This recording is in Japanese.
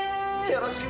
よろしく！